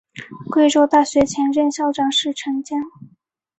贵州大学前任校长是陈坚。